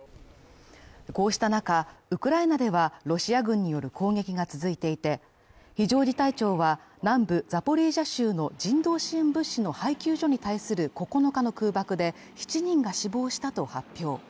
こうした中、ウクライナではロシア軍による攻撃が続いていて、非常事態庁は南部ザポリージャ州の人道支援物資の配給所に対する９日の空爆で７人が死亡したと発表。